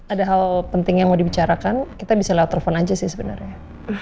ada hal penting yang mau dibicarakan kita bisa lewat telepon aja sih sebenarnya